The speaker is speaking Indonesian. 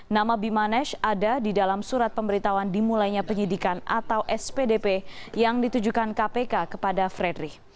nama bimanesh ada di dalam surat pemberitahuan dimulainya penyidikan atau spdp yang ditujukan kpk kepada fredri